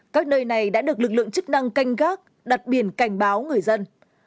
các nơi này đã được lực lượng chức năng canh gác đặt biển cảnh báo người dân